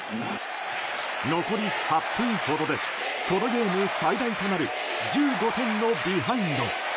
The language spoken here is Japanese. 残り８分ほどでこのゲーム最大となる１５点のビハインド。